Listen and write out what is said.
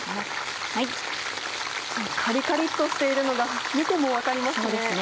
カリカリっとしているのが見ても分かりますね。